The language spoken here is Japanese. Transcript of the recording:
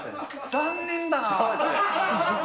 残念だな。